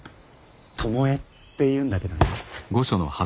巴っていうんだけどね。